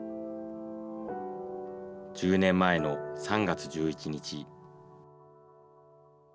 １０年前の３月１１日。